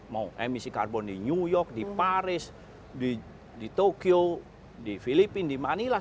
mau emisi karbon di new york di paris di tokyo di filipina di manila